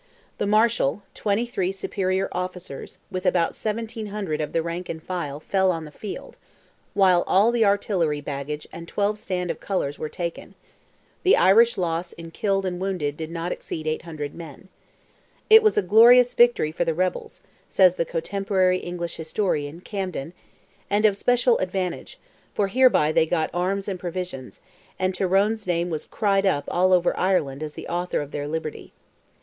The Marshal, 23 superior officers, with about 1,700 of the rank and file fell on the field, while all the artillery baggage and 12 stand of colours were taken: the Irish loss in killed and wounded did not exceed 800 men. "It was a glorious victory for the rebels," says the cotemporary English historian, Camden, "and of special advantage: for hereby they got arms and provisions, and Tyrone's name was cried up all over Ireland as the author of their liberty."